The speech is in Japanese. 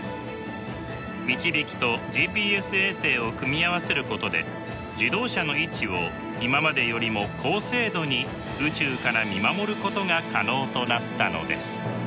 みちびきとＧＰＳ衛星を組み合わせることで自動車の位置を今までよりも高精度に宇宙から見守ることが可能となったのです。